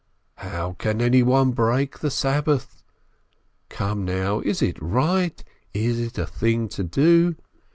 "How can anyone break the Sabbath? Come now, is it right? Is it a thing to do?